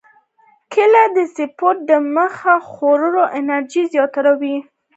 کېله د سپورت دمخه خوړل انرژي زیاتوي.